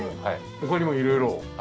他にもいろいろ。